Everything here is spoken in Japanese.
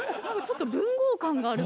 ちょっと文豪感が。